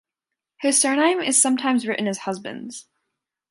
His surname is sometimes written as Husbands.